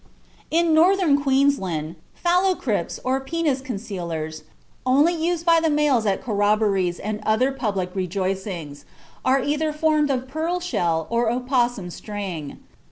In Northern Queensland "phallocrypts," or "penis concealers," only used by the males at corrobborees and other public rejoicings, are either formed of pearl shell or opossum string.